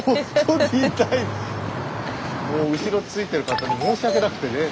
もう後ろ付いてる方に申し訳なくてね。